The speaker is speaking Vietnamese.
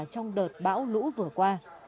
trong đợt bão lũ vừa qua